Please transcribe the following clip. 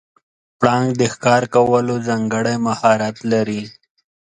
پړانګ د ښکار کولو ځانګړی مهارت لري.